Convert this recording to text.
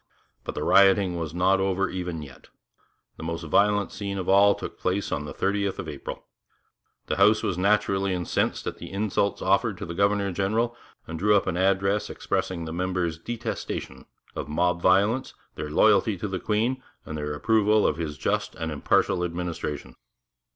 But the rioting was not over even yet. The most violent scene of all took place on the thirtieth of April. The House was naturally incensed at the insults offered to the governor general and drew up an address expressing the members' detestation of mob violence, their loyalty to the Queen, and their approval of his just and impartial administration.